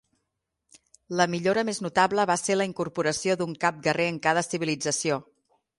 La millora més notable va ser la incorporació d'un cap guerrer en cada civilització.